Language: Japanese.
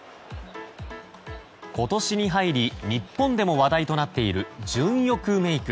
今年に入り日本でも話題となっている純欲メイク。